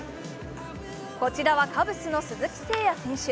こちらはカブスの鈴木誠也選手。